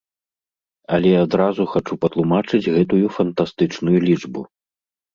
Але адразу хачу патлумачыць гэтую фантастычную лічбу.